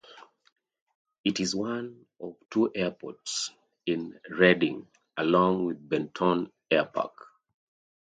It is one of two airports in Redding, along with Benton Airpark.